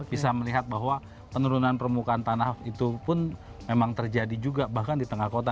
bisa melihat bahwa penurunan permukaan tanah itu pun memang terjadi juga bahkan di tengah kota